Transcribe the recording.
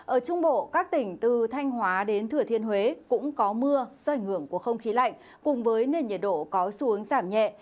ở trung bộ các tỉnh từ thanh hóa đến thừa thiên huế cũng có mưa do ảnh hưởng của không khí lạnh cùng với nền nhiệt độ có xu hướng giảm nhẹ